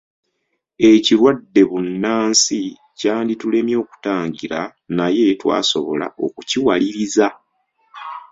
Ekirwadde bunnansi kyanditulemye okutangira naye twasobola okukiwaliriza.